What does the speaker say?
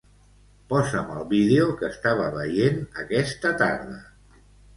Posa'm el vídeo que estava veient aquesta tarda.